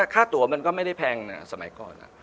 ค่าตัวมันก็ไม่ได้แพงนะสมัยก่อน